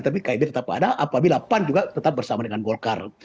tapi kib tetap ada apabila pan juga tetap bersama dengan golkar